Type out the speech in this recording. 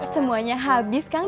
semuanya habis kang